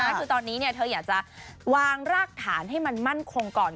คือตอนนี้เธออยากจะวางรากฐานให้มันมั่นคงก่อน